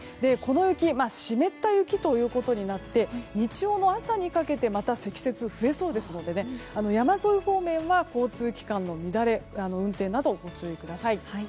この雪湿った雪ということになって日曜の朝にかけて積雪が増えそうですので山沿い方面は交通機関の乱れ運転などご注意ください。